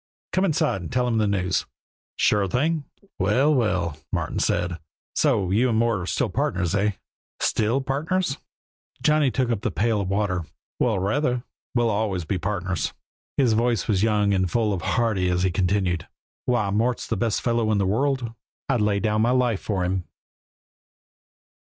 Come inside and tell him the news." "Sure thing." "Well, well!" Martin said. "So you and Mort are still partners, eh?" "Still partners?" Johnny took up the pail of water. "Well, rather! We'll always be partners." His voice was young and full and hearty as he continued: "Why, Mort's the best fellow in the world. I'd lay down my life for him."